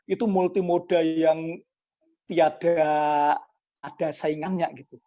itu multimoda yang tidak ada saingannya